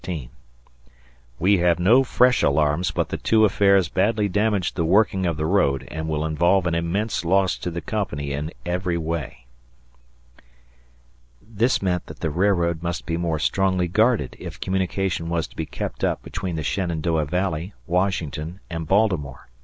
We have no fresh alarms but the two affairs badly damaged the working of the road and will involve an immense loss to the company in every way. This meant that the railroad must be more strongly guarded if communication was to be kept up between the Shenandoah Valley, Washington, and Baltimore.